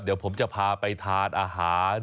เดี๋ยวผมจะพาไปทานอาหาร